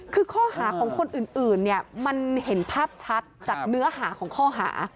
คือข้อหาของคนอื่นเนี่ยมันเห็นภาพชัดจากเนื้อหาของข้อหา